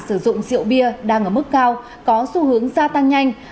sử dụng rượu bia đang ở mức cao có xu hướng gia tăng nhanh